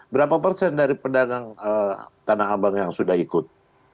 berapa persen dari pedagang tanah abang yang sudah ikut